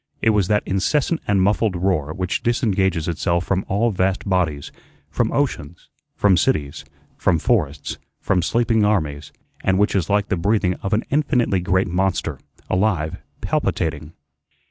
It was that incessant and muffled roar which disengages itself from all vast bodies, from oceans, from cities, from forests, from sleeping armies, and which is like the breathing of an infinitely great monster, alive, palpitating.